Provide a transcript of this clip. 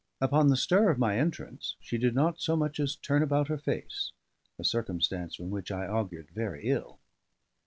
Upon the stir of my entrance she did not so much as turn about her face: a circumstance from which I augured very ill.